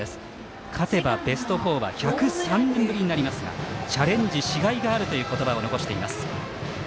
勝てばベスト４は１０３年ぶりになりますがチャレンジしがいがあると花しています。